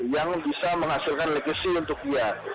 yang bisa menghasilkan legacy untuk dia